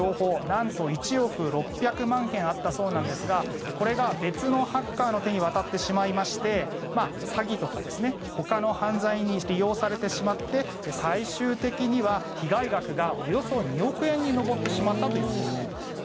なんと１億６００万件あったそうなんですがこれが別のハッカーの手に渡ってしまいまして詐欺とか、ほかの犯罪に利用されてしまって最終的には被害額がおよそ２億円に上ってしまったというんですね。